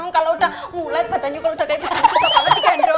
kalau udah ngulet badan juga udah kayak susah banget dikendong